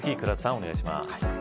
お願いします。